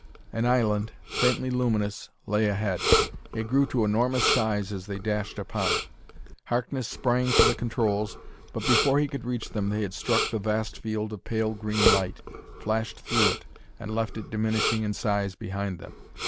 An island, faintly luminous, lay ahead. It grew to enormous size as they dashed upon it. Harkness sprang for the controls, but, before he could reach them, they had struck the vast field of pale green light, flashed through it, and left it diminishing in size behind them.